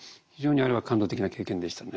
非常にあれは感動的な経験でしたね。